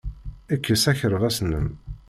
Kkes akerbas-nnem.